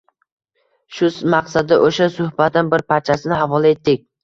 Shu maqsadda o`sha suhbatdan bir parchasini havola etdik